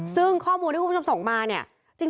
ซึ่งข้อมูลที่คุณผู้ชมส่งมาเนี่ย